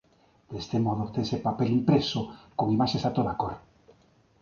Deste modo obtense papel impreso con imaxes a toda cor.